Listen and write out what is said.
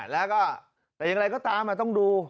และอย่างไรก็ตามมาต้องดู